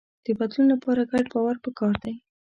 د بدلون لپاره ګډ باور پکار دی.